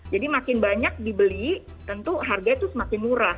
jadi makin banyak dibeli tentu harga itu semakin murah